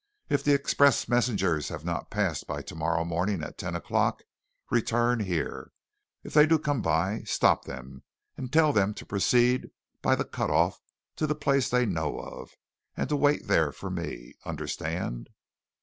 If the express messengers have not passed by to morrow morning at ten o'clock, return here. If they do come by, stop them, and tell them to proceed by the cut off to the place they know of, and to wait there for me. Understand?"